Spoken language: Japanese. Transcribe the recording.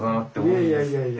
いやいやいやいや。